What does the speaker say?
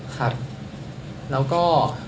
แล้วก็